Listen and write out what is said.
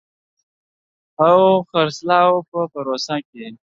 او خرڅلاو په پروسه کې